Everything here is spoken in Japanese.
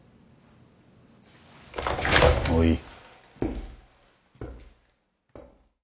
もういい。